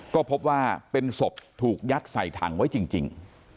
ก็พบว่าเป็นศพถูกยัดใส่ถังไว้จริง